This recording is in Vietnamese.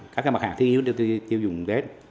các cái mặt hàng thiếu tiêu dùng tết